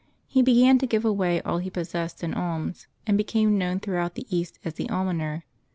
He began to give away all he possessed in alms, and became known throughout the East as the Al moner.